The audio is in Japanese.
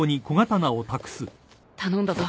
頼んだぞ。